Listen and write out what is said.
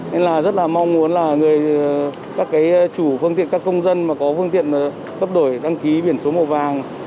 nên là rất là mong muốn là các chủ phương tiện các công dân mà có phương tiện cấp đổi đăng ký biển số màu vàng